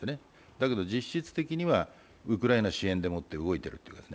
だけど実質的にはウクライナ支援でもって動いているという。